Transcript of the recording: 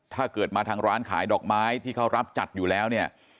ถ้าเกิดมาทางร้านขายดอกไม้ที่เขารับจัดอยู่แล้วเนี่ย